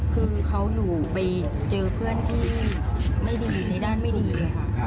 คือเขาหนูไปเจอเพื่อนที่ไม่ดีในด้านไม่ดีค่ะ